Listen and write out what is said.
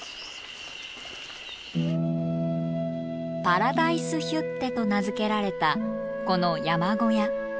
パラダイスヒュッテと名付けられたこの山小屋。